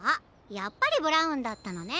やっぱりブラウンだったのね。